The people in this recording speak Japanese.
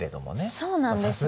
そうなんですね。